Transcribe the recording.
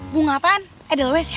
bunga apaan edelweiss ya